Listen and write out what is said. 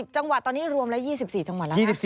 ๑๐จังหวัดตอนนี้รวมแล้ว๒๔จังหวัดเลย